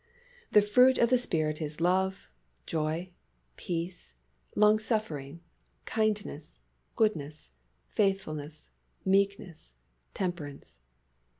"The fruit of the Spirit is love, joy, peace, longsuffering, kindness, goodness, faithfulness, meekness, temperance."